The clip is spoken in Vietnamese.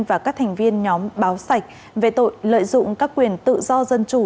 và các thành viên nhóm báo sạch về tội lợi dụng các quyền tự do dân chủ